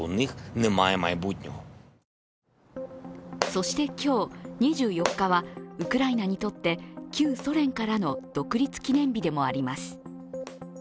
そして今日２４日はウクライナにとって旧ソ連からの独立記念日でもあります。